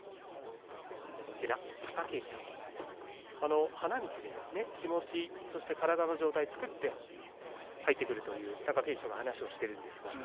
貴景勝、花道で気持ち、そして体の状態を作って入ってくるという貴景勝の話をしているんですか。